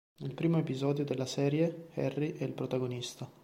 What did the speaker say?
Nel primo episodio della serie Harry è il protagonista.